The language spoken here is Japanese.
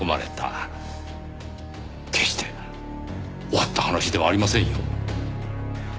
決して終わった話ではありませんよ。